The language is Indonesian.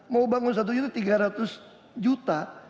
mau bangun satu juta rp tiga ratus